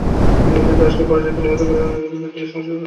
ইতিমধ্যে দারাকে পরাজিত ও নিহত করিয়া ঔরংজেব দিল্লির সিংহাসনে বসিয়াছেন।